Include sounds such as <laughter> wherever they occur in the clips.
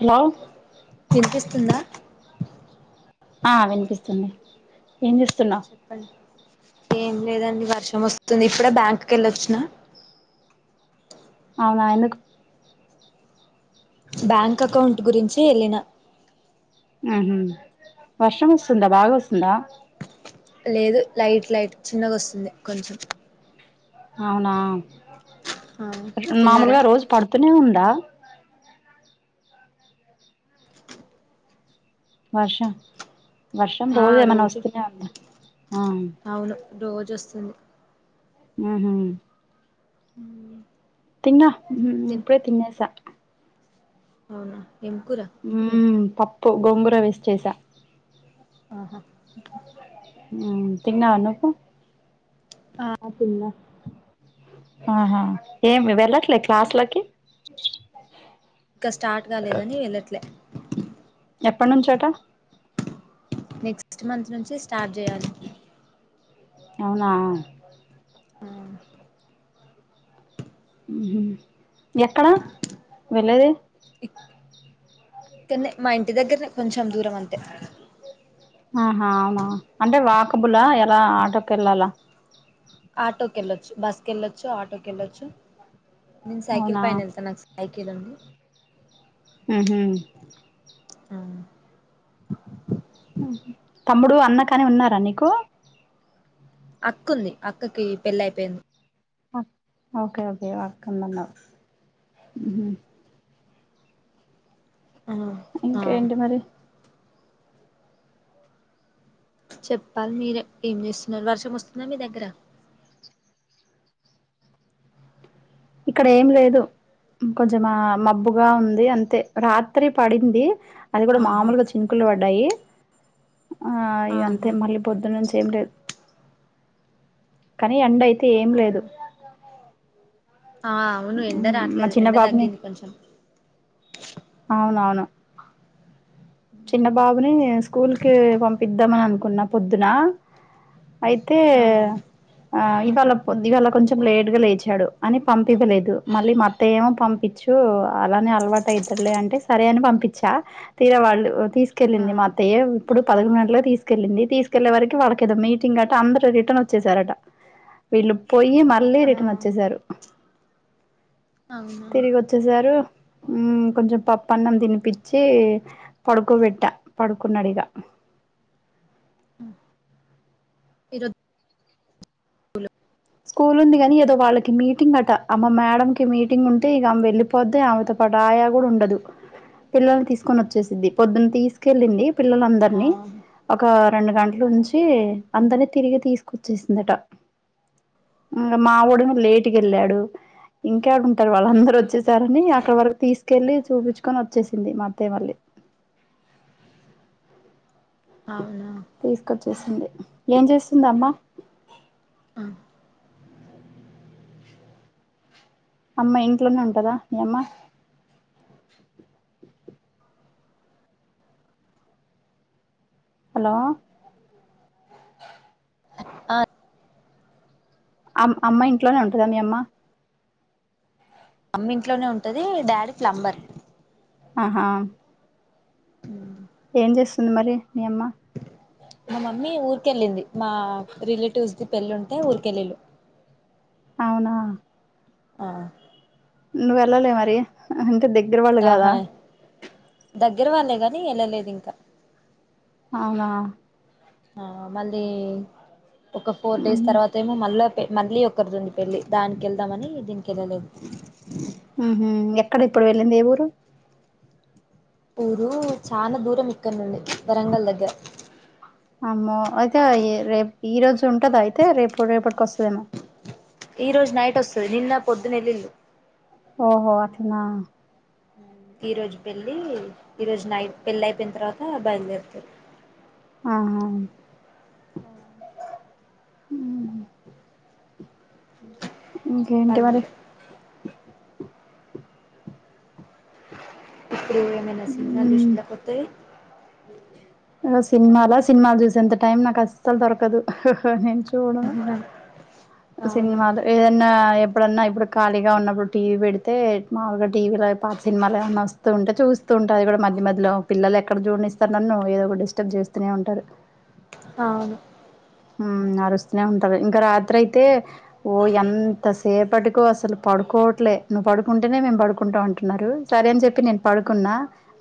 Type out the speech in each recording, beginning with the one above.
Hello వినిపిస్తుందా ఆ వినిపిస్తుంది ఏం లేదండి వర్షం వస్తుంది ఇప్పుడే బ్యాంక్ కి వెళ్ళొచ్చిన. అవును ఆయనకు బ్యాంక్ అకౌంట్ గురించి వెళ్ళిన ఆహ వర్షం వస్తుందా బాగా వస్తుందా లేదు లైట్ లైట్ చిన్నగా వస్తుంది కొంచెం అవునా ఆ తిన్నారా మామూలుగా రోజు పడుతూనే ఉందా వర్షం, వర్షం రోజు ఏమైన్నా వస్తూనే ఉందా ఆ అవును రోజు వస్తుంది. ఊహు ఉమ్ తిన్నా ఇప్పుడే తినేసా అవునా ఎంకూరా? ఉ పప్పు గొంగుర వేసి చేసా ఆహా ఉమ్ తిన్నావా నువ్వు ఆ తిన్న ఆహా ఏమి వెళ్ళట్లే క్లాస్ లకి ఇంకా స్టార్ట్ కాలేదని వెళ్ళట్లేదు ఎప్పట్నుంచట నెక్స్ట్ మంత్ నుంచి స్టార్ట్ చేయాలి అవునా ఆ ఊహు ఎక్కడా వెళ్ళేది ఇక్కడ్నే మా ఇంటి దగ్గరనే కొంచెం దూరం అంతే ఆహా అవునా అంటే వాకబులా ఎలా ఆటోకెళ్ళాలా ఆటోకి వెళ్ళొచ్చు బస్కి వెళ్ళొచ్చు ఆటోకి వెళ్ళొచ్చు నేను సైకిల్ అవునా పైన వెళ్తాను నాక్ సై సైకిల్ ఉంది ఉ హు ఆ తమ్ముడు అన్న కాని ఉన్నారా నీకు అక్క ఉంది అక్కకి పెళ్లి అయిపోయింది ఆ ఓకే ఓకే అక్క ఉందన్నావ్ ఊహు ఆ ఆ ఇంకా ఎంటి మరి చెప్పాల్ మీరే ఏం చేస్తున్నారు, వర్షం వస్తుందా మీ దగ్గర? ఇక్కడ ఏం లేదు కొంచెం మబ్బుగా ఉంది అంతే రాత్రి పడింది అది కూడా ఆహా మామలుగా చినుకులు పడ్డాయి ఆ ఇక అంతే ఆహా మళ్ళీ పొద్దున్నుంచి ఏం లేదు, కానీ ఎండ అయితే ఏం లేదు అవును ఆ అవును ఎండ ఉహు. మా రావట్లేదు చిన్న ఎండ బాబుని తగ్గింది కొంచెం అవునవును చిన్న బాబుని నేను స్కూల్ కి పంపిద్దాం అని అనుకున్నా పొద్దున అయితే ఆ ఆ ఇవాళ పొద్దుగాల కొంచెం లేటు గా లేచాడు అని పంపివ్వలేదు మళ్ళీ మా అత్తయ్య ఏమో పంపి చూ అలానే అలవాటైతడ్లే అంటే సరే అని పంపించా తీర వాళ్ళు ఓ ఆ తీసుకెళ్ళింది మా అత్తయ్య యో ఇప్పుడు పదకొండు గంటలకు తీసుకెళ్లింది తీసుకెళ్లే వరకి వాళ్ళకేదో మీటింగ్ గట అందరు రిటర్న్ వచ్చేసారట వీళ్ళు పొయ్యి మళ్ళీ ఆ రిటర్న్ వచ్చేశారు అవునా తిరిగి వచ్చేసారు కొంచెం పప్పన్నం తినిపిచ్చి పడుకోబెట్ట పడుకున్నడిగా ఇరోద్ స్కూల్ ఉంది కాని ఏదో వాళ్ళకి మీటింగ్ అట అమ్మ మేడమ్ క మీటింగ్ ఉంటే ఇకమె వెళ్ళి పొద్దున ఆమెతో పాటు ఆయా కూడా ఉండదు పిల్లల్ని తీసుకొని వచ్చేసిది పొద్దున్న తీసుకెళ్ళింది ఆ పిల్లలందరినీ ఒక రెండు గంటలు ఉంచి అందరిని తిరిగి తీసుకొచ్చేసిందట ఇంగ మావోడేమో లేటుగెల్లాడు ఇంకేడ ఉంటారు వాళ్ళందరు వచ్చేసారని అక్కడ వరకు తీసుకెళ్ళలి చూపిచ్కొని వచ్చేసింది మా అత్తయ్య మళ్ళి అవునా తీసుకొచ్చేసింది ఏం చేస్తుంది అమ్మా ఆ అమ్మా ఇంట్లోనే ఉంటదా మీ అమ్మ హలో ఆ అమ్మ ఇంట్లోనే ఉంటుద మీ అమ్మ అమ్మ ఇంట్లోనే ఉంటదీ డాడీ ప్లంబర్ ఆహా హ ఏం చేస్తుంది మరి మీ యమ్మ మా మమ్మీ ఊరికెళ్ళింది మా రిలేటివ్స్ ది పెళ్ళి ఉంటే ఊరికెళ్ళిళు అవునా ఆ నువ్వు వెళ్ళలే మరి అంటే దగ్గర వాళ్ళు కాదా ఆహా దగ్గర వాళ్ళే గాని వెళ్ళలేదు ఇంకా అవునా ఆ మళ్ళీ ఒక ఫోర్ డేస్ ఉహు తర్వాత ఏమో మళ్ళ పే మళ్ళీ ఒకరీ ది ఉంది పెళ్ళి దానికి వెళ్దామని దీనికి వెళ్ళలేదు ఉహు ఎక్కడ ఇప్పుడు వెళ్ళింది ఏ ఊరు ఊరు చానా దూరం ఇక్కడ నుండి వరంగల్ దగ్గర అమ్మో అయితే రేపు ఈ రోజు ఉంటద అయితే రేపు రేపటికి వస్తుదేమో ఈ రోజు నైట్ వస్తుంది నిన్న పొద్దునెల్లిళ్ళు ఓహో అట్లనా ఈ రోజు పెళ్లి ఈ రోజు నైట్ పెళ్లిి అయిపోయిన తర్వాత బయలుదేరుతరూ ఆహా ఇంకేంటి చెప్పాలి మరి మీరే ఇప్పుడు ఏమైనా సినిమా ఉమ్, చూసిలా కొత్తయి ఊ సినిమాలా సినిమాలు చూసి అంత టైం నాకు అసలు దొరకదు చూడను అవునా సినిమాలు ఏదన్నా ఎప్పుడన్నా ఇప్పుడు ఖాళీగా ఉన్నప్పుడు టీవీ పెడితే మామలుగా టీవీలో పాత సినిమాలు ఏమన్నా వస్తాయి స్తుంటే చూస్తూ ఉంట అది కూడా మధ్య మధ్యలో పిల్లలు ఎక్కడ చూడనిస్తరు నన్నూ ఏదో ఒక డిస్టర్బ్ చేస్తూనే ఉంటారు అవును ఊ అరుస్తూనే ఉంటారు ఇంకా రాత్రి అయితే ఓ ఎంతసేపటికో అసలు పడుకోవట్లే నువ్వు పడుకుంటేనే మేం పడుకుంటాం అంటున్నారు సరే అని చెప్పి నేను పడుకున్నా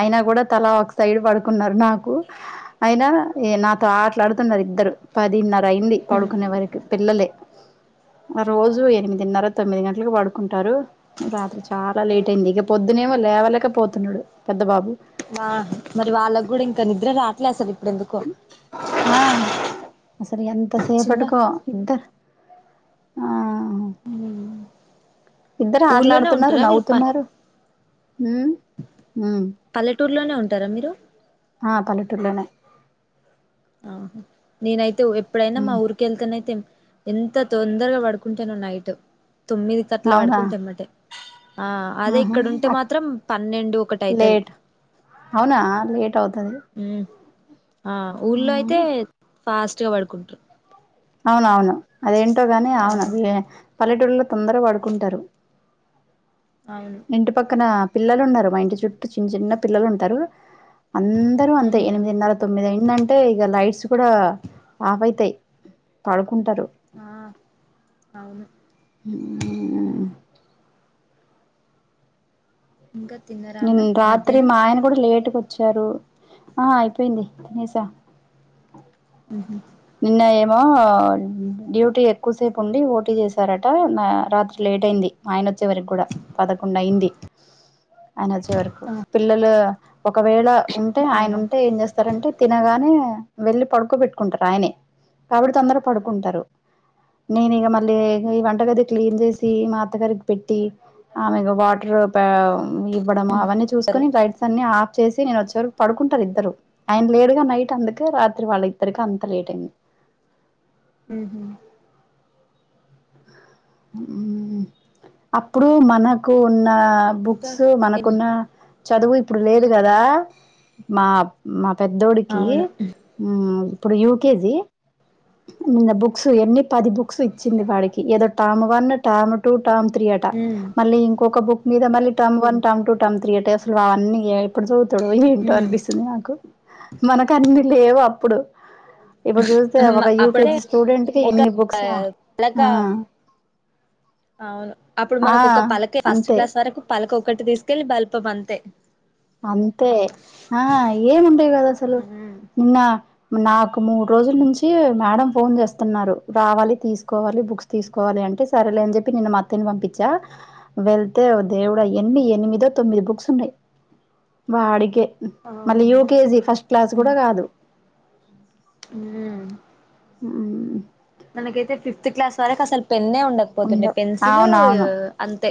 అయినా గుడా తలా ఒక సైడ్ పడుకున్నారు నాకు అయినా ఏ నాతో ఆటలాడుతున్నారు ఇద్దరు పదిన్నర అయింది ఆ పడుకునే వరకు పిల్లలే రోజు ఎనిమిదిన్నర తొమ్మిది గంటలకి పడుకుంటారు రాత్రి చాలా లేట్ అయింది ఇక పొద్దునేమో లేవలేకపోతున్నాడు పెద్ద బాబు ఆ మరి వాళ్ళకు గుడా ఇంక నిద్ర రావట్లే అసలు ఇప్పుడెందుకో ఆ సరి ఎంత చిల్ల సేపట్టుకో ఇద్ద ఆ ఇద్దరు ఊర్లోనే ఆటలాడుతున్నారు ఉంటారా మీరు ప నవ్వుతున్నారు ఊ ఊ పల్లెటూరులోనే ఉంటారా మీరు ఆ పల్లెటూర్లోనే ఆహ నేనైతే ఒ ఎప్పుడైనా మా ఉమ్ ఊరికి ఎంతనైతే ఏం ఎంత తొందర పడుకుంటనో నైట్ తొమ్మిది అట్లా అవునా పడుకుంటా ఎంబటే ఆ అదే ఆహా ఇక్కడుంటే మాత్రం పన్నెండు ఒకటి అయితది లేట్ అవునా లేట్ అవుతది ఉమ్ ఆ ఊళ్ళో అయితే ఫాస్ట్గ పడుకుంటరు అవునవును అదేంటో గానీ అవును ఎ పల్లెటూళ్లో తొందర పడుకుంటరు అవును ఇంటి పక్కన పిల్లలు ఉన్నరు మా ఇంటి చుట్టూ చిన్న చిన్న పిల్లలు ఉంటరు అం దరూ అంతే ఉమ్ ఎనిమిదిన్నర తొమ్మిది అయిందంటే ఇగ లైట్స్ కూడా ఆఫ్ అయితయి పడుకుంటారు ఆ అవును <inaudible> ఇంక తిన్నరాన్నం మధ్యాహ్నం ఇప్పుడు లేటుగొచ్చారూ ఆ అయిపోయింది తినేశా ఉహు నిన్న ఏమో డ్యూటీ ఎక్కువసేపు ఉండి ఓటీ చేసారట నా రాత్రి లేట్ అయింది మా ఆయనొచ్చే వరకు కుడా పదకొండు అయింది ఆయన వచ్చే వరకు ఆ పిల్లలు ఒకవేళ ఉంటే ఆయన అవునా ఉంటే ఏం చేస్త స్తారంటే తినగానే వెళ్లి పడుకోబెట్టుకుంటారు ఆయనే కాబట్టి తొందర పడుకుంటారు నేను ఇక మళ్ళీ ఈ వంటగది క్లీన్ చేసి మా అత్తగారికి పెట్టి ఆమెకు వాటర్ పే ఇవ్వడము అవన్నీ చూసుకుని లైట్స్ ట్స్ అన్ని ఆఫ్ చేసి నేను వచ్చేవరకు పడుకుంటారు ఇద్దరు ఆయన లేరుగా నైట్ అందుకే రాత్రి వాళ్ళ ఇద్దరికి అం త లెటైయింది ఉహు ఉ ఊహు అప్పుడూ మనకు ఉన్నా ఇంకా బుక్స్ ఎన్ మనకున్నా చదువు ఇప్పుడు లేదు కదా మా మా పెద్దోడికి అవును ఇప్పుడు యూకేజీ నిన్న బుక్స్ ఎన్ని పది బుక్స్ ఇచ్చింది వాడికి ఏదో term one term two term three అట ఉమ్ మళ్ళీ ఇంకొక బుక్ మీద మళ్ళీ term one term two term three అంటే అసలు అవన్నీ ఎప్పుడు చదువుతాడు ఏంటో ఉమ్ అనిపిస్తుంది నాకు మనక అన్నీ లేవు అప్పుడు ఇప్పుడు చూస్తే ఒక అమ్మ అప్పుడే యూకేజీ స్టూడెంట్ కి ఒక ఇన్ని బుక్సా అలగా ఆ <unintelligible> అవును అప్పుడు ఆ మనకు ఒక పలకే ఫస్ట్ అంతే క్లాస్ వరకు పలకొకటి తీసుకెళ్లి బల్పం అంతే అంతే ఆ ఏముండేది కాదు అసలు ఉమ్ నిన్న నాకు మూడు రోజుల నుంచీ మ్యాడం ఫోన్ చేస్తున్నారు రావాలి తీసుకోవాలి బుక్స్ తీసుకోవాలి అంటే సరేలే అని చెప్పి నిన్న మా అత్తయని పంపించా వెళ్తే దేవుడు ఎన్ని ఎనిమిదో తొమ్మిది బుక్స్ ఉన్నాయి వాడికే మళ్ళీ అవును యూకేజీ ఫస్ట్ క్లాస్ కూడా కాదు ఉం ఉం మనకైతే ఫిఫ్త్ క్లాస్ వరకు అసలు పెన్నే ఉండకపోతుండే ఉండవు పెన్సిల్ అవునవును అంతే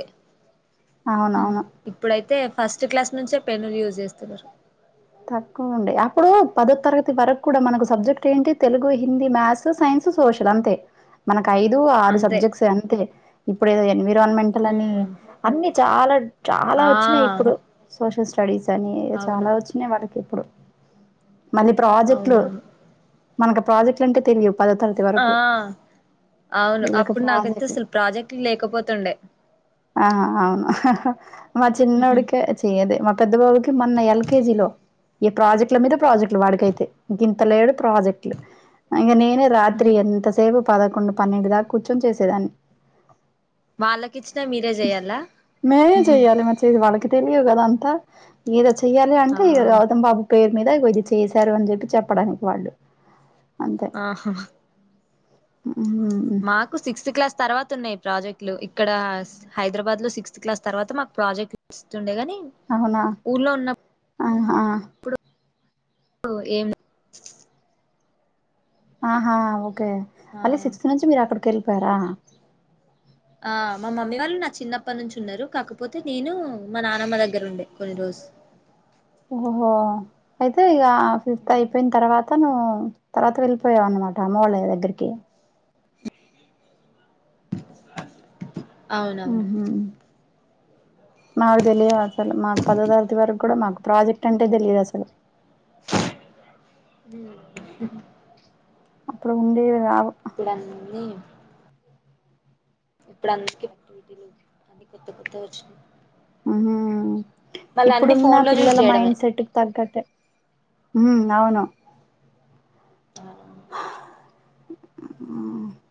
అవునవును ఇప్పుడైతే ఫస్ట్ క్లాస్ నుంచే పెన్నులు యూజ్ చేస్తున్నారు తక్కువ ఉండే అప్పుడు పదో తరగతి వరకు కూడా మనకు సబ్జెక్ట్ ఏంటి Telugu Hindi maths science social అంతే మనకి ఐదు ఆరు అంతే సబ్జెక్ట్స్ అంతే ఇప్పుడు ఏదో ఎన్విరాన్మెంట్ లనీ ఉమ్ అన్ని చాల చాలా ఆ ఒచ్చినయి ఇప్పుడు సోషల్ స్టడీస్ అని ఇగ అవును చాలా వచ్చినాయి వాళ్ళకి ఇప్పుడు మళ్ళీ ప్రాజెక్టులు అవునవును మనకు ప్రాజెక్టులు అంటే తెలియవ్ పదో తరగ ఆ అవును వీళ్ళకి అప్పుడు ప్రాజెక్టులు నాకైతసలు ప్రాజెక్ట్లు లేక పోతుండె ఆహా అవును మా చిన్నోడికే చేయ్యదే మా పెద్ద బాబుకి మొన్న ఎల్కేజీలో ఈ ప్రాజెక్టుల మీద ప్రాజెక్టులు వాడికైతే గింతలేడు ప్రాజెక్టులు ఇంక నేనే రాత్రి ఎంతసేపు పదకొండు పన్నెండు దాక కూర్చొని చేసేదాన్ని వాళ్ళకిచ్చినా మీరే చెయ్యాలా మేమే చెయ్యాలి మరి వాళ్ళకి తెలియవు కదంతా ఏద చెయ్యాలి ఆ అంటే ఇ గౌతం బాబు పేరు మీద ఇగో ఇది చేశారు అని జెప్పి చెప్పడానికి వాళ్ళు అంతే ఆహా హు హామ్ మాకు సిక్స్త్ క్లాస్ తర్వాత ఉన్నాయి ప్రాజెక్టులు ఇక్కడ హైదరాబాద్ లో సిక్స్త్ క్లాస్ తర్వాత మాకు ప్రాజెక్ట్ ఇస్తుండే గనీ అవునా ఆహా ఓ ఏం ఆహా ఓకే ఆ మళ్ళీ సిక్స్త్ నుంచి మీరు అక్కడికి వెళ్ళిపోయారా ఆ మా మమ్మీ వాళ్ళు నా చిన్నప్పటి నుంచి ఉన్నరు కాకపోతే నేనూ మా నానమ్మ దగ్గర ఉండే కొన్ని రోజు ఓహోహో అయితే ఇగా ఫిఫ్త్ అయిపోయిన తర్వాత తను తర్వాత వెళ్ళిపోయావు అన్నమాట అమ్మ వాళ్ళ దగ్గరికి హూ అవునవును హమ్ నాకు తెలియదు మా పదో తరగతి వరకు కూడా మాకు ప్రాజెక్ట్ అంటే తెలియదు అసలు ఉమ్. అప్పుడు ఉండేది కాదు ఇప్పుడన్నీ ఇప్పుడు అందుకక్టివిటీలు అని కొత్త కొత్త వచ్చినాయి <unintelligible> హు హామ్ మళ్ళ అన్ని ఇప్పుడున్న ఫోన్ లో చూసి పిల్లల చేయడమే మైండ్ సెట్ కి తగ్గట్టె ఉం అవును ఆహ్ ఆ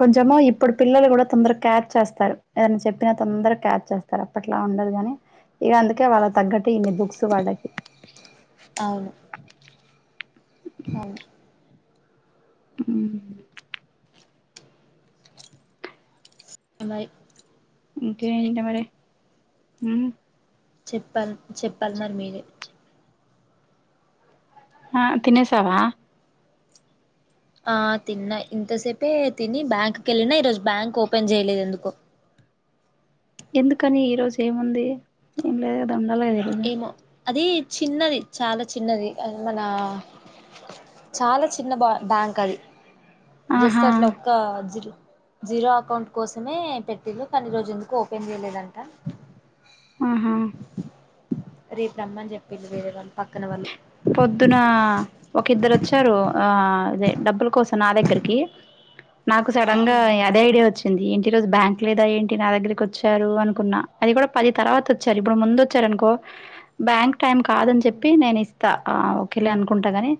కొంచము ఇప్పుడు పిల్లలు కూడా తొందరగా క్యాచ్ చేస్తారు ఏదైనా చెప్పినా తొందరగా క్యాచ్ చేస్తారు అప్పట్లా ఉండదు గాని ఇగ అందుకే వాళ్ళ తగ్గట్టు ఇన్ని బుక్స్ వాళ్ళకి అవును అవును ఉ బై ఇకేంటి మరి హు చెప్పాలి చెప్పాలి మరి మీరే ఆ తినేసావా ఆ తిన్నా ఇంతసేపే తిని బ్యాంక్కి ఏళ్ళిన ఈరోజు బ్యాంక్ ఓపెన్ చేయలేదు ఎందుకో ఎందుకని ఈరోజు ఏముంది ఏం లేదుగా ఉండాలే ఏమో అది చిన్నది చాలా చిన్నది మన చాలా చిన్న బా బ్యాంక్ అది జస్ట్ ఆహా అట్లా కా జీరో అకౌంట్ కోసమే పెట్టిళ్ళు కానీ రోజు ఎందుకో ఓపెన్ చేయలేదంట ఆహా రేపు రమ్మని చెప్పిరూ వేరే వాళ్ళు పక్కన వాళ్ళు పొద్దున ఒక ఇద్దరోచ్చారు ఆ అదే డబ్బుల కోసం నా దగ్గరికి నాకు సడన్ గా యా ఐడియా వచ్చింది ఏంటి రోజు బ్యాంక్ లేదా ఏంటి నా దగ్గరకి వచ్చారు అనుకున్నా అది కూడా పది తర్వాత చ్చార్ ఇప్పుడు ముందోచ్చారు అనుకో బ్యాంక్ టైమ్ కాదని చెప్పి ఉమ్ నేను ఇస్ త ఆ ఓకేలే అనుకుంటా గాని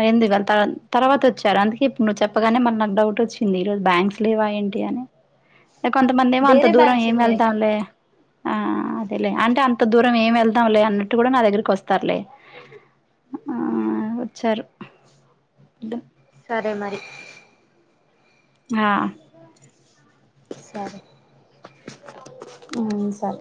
అయింది వాళ్ళ త తర్వాత వచ్చారు అందుకే ఇప్పుడు నువ్వు చెప్పగానే మళ్ళ నాకు డౌట్ వచ్చింది ఈరోజు బ్యాంక్స్ లేవా ఏంటి అని కొంతమంది ఏమో అంత వేరే దూరం బ్యాగ్స్ ఏం ఉన్నాయి వెళ్తాంలే ఆ అదేలే అంటే అంత దూరం ఏమి వెళ్తాంలే అన్నట్టు కూడా నా దగ్గరికి వస్తారులే ఆ ఆహా వచ్చారు సరే మరి ఆ సరే ఉ సరే